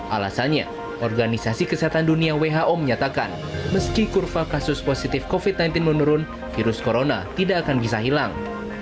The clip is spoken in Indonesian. alasannya organisasi kesehatan dunia who menyatakan meski kurva kasus positif covid sembilan belas menurun virus corona tidak akan bisa hilang